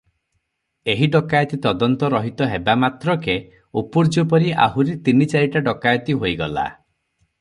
ଏହି ଡକାଏତି ତଦନ୍ତ ରହିତ ହେବା ମାତ୍ରକେ ଉପୁର୍ଯ୍ୟୁପରି ଆହୁରି ତିନି ଚାରିଟା ଡକାଏତି ହୋଇଗଲା ।